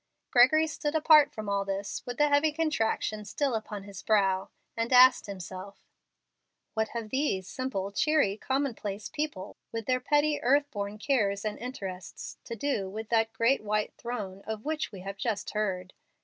Gregory stood apart from all this, with the heavy contraction still upon his brow, and asked himself, "What have these simple, cheery, commonplace people, with their petty earth born cares and interests, to do with that 'great white throne' of which we have just heard?